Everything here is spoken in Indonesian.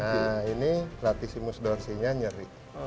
nah ini gratisimus dorsi nya nyeri